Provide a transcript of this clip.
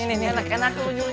eh ini enak enak